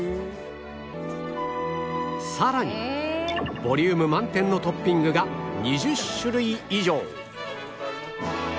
さらにボリューム満点のトッピングが２０種類以上